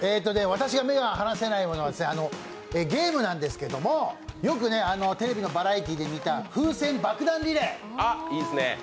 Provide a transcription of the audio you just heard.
私が目が離せないものはゲームなんですけども、よくねテレビのバラエティーで見た風船爆弾リレー。